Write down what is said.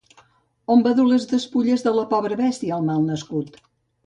On va dur les despulles de la pobra bèstia el mal nascut?